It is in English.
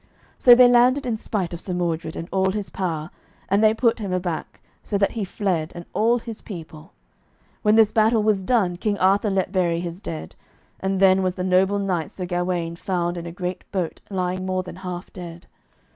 So they landed in spite of Sir Mordred and all his power, and they put him aback, so that he fled and all his people. When this battle was done, King Arthur let bury his dead, and then was the noble knight Sir Gawaine found in a great boat lying more than half dead.